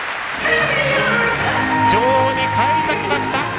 女王に返り咲きました！